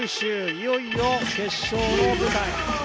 いよいよ決勝の舞台。